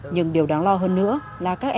nhưng điều đáng lo hơn nữa là